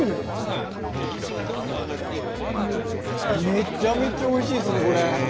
めちゃめちゃおいしいですねこれ。